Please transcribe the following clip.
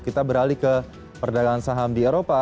kita beralih ke perdagangan saham di eropa